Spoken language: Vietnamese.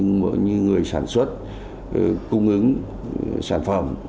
như người sản xuất cung ứng sản phẩm